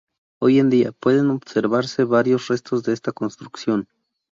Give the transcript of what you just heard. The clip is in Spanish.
Hoy en día, pueden observarse varios restos de esta construcción.